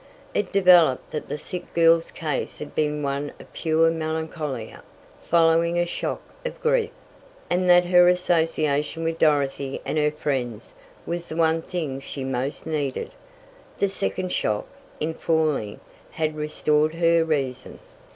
It developed that the sick girl's case had been one of pure melancholia, following a shock of grief, and that her association with Dorothy and her friends was the one thing she most needed. The second shock, in falling, had restored her reason.